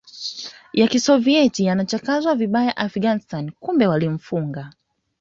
ya Kisovieti yanachakazwa vibaya Afghanistan kumbe walimfuga